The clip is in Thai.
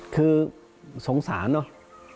คือสงสารเนอะ